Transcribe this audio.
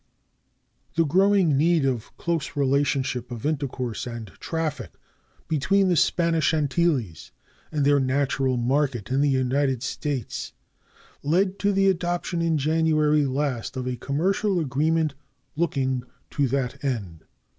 The growing need of close relationship of intercourse and traffic between the Spanish Antilles and their natural market in the United States led to the adoption in January last of a commercial agreement looking to that end.